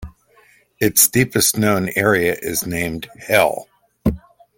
Its deepest known area is named "Hell".